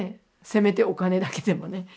せめてお金だけでもね。